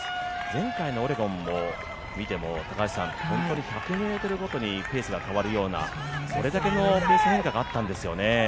前回のオレゴン見ても本当に１００ｍごとにペースが変わるようなそれだけのペース変化があったんですよね。